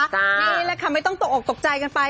นี่แหละค่ะไม่ต้องตกออกตกใจกันไป